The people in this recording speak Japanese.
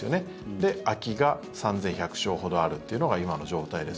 で、空きが３１００床ほどあるというのが今の状態です。